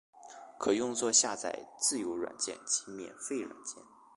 可用作下载自由软件及免费软件。